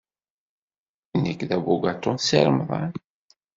Nekk d abugaṭu n Si Remḍan.